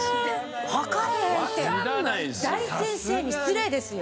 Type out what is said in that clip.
「わかれへん！」って大先生に失礼ですよ。